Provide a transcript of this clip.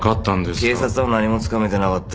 警察は何もつかめてなかったよ。